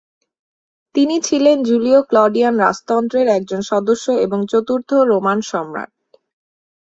তিনি ছিলেন জুলিও-ক্লডিয়ান রাজতন্ত্রের একজন সদস্য এবং চতুর্থ রোমান সম্রাট।